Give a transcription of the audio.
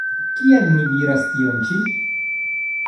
Kial mi diras tion ĉi?